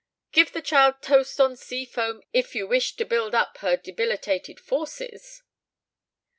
Give the child toast on sea foam, if you wish to build up her debilitated forces."